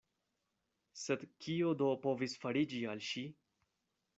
Sed kio do povis fariĝi al ŝi?